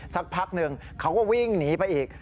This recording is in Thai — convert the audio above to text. สักพักหนึ่งเขาก็วิ่งหนีไปอีก